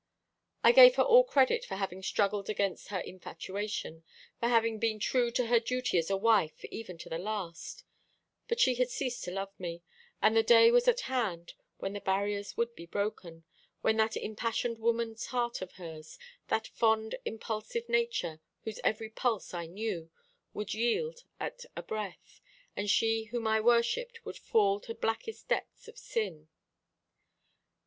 I gave her all credit for having struggled against her infatuation, for having been true to her duty as a wife even to the last; but she had ceased to love me, and the day was at hand when the barriers would be broken, when that impassioned woman's heart of hers, that fond impulsive nature, whose every pulse I knew, would yield at a breath, and she whom I worshipped would fall to blackest depths of sin.